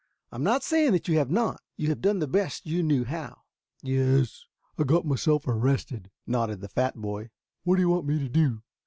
I am not saying that you have not; you have done the best you knew how." "Yes, I got myself arrested," nodded the fat boy. "What do you want me to do?"